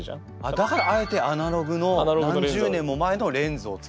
だからあえてアナログの何十年も前のレンズをつけて。